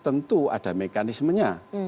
tentu ada mekanismenya